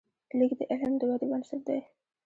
لیک د علم د ودې بنسټ دی.